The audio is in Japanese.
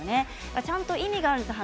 ちゃんと意味があるんです。